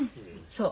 そう。